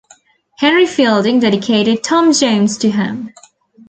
Henry Fielding dedicated "Tom Jones" to him.